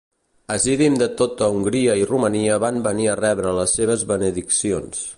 Hasidim de tota Hongria i Romania van venir a rebre les seves benediccions.